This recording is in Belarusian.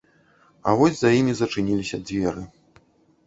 А вось за імі зачыніліся дзверы.